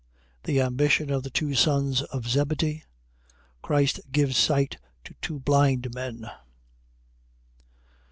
The ambition of the two sons of Zebedee. Christ gives sight to two blind men.